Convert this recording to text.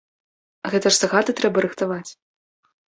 Гэта ж загады трэба рыхтаваць.